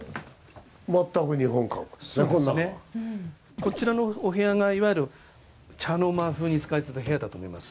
こちらのお部屋がいわゆる茶の間風に使われてた部屋だと思います。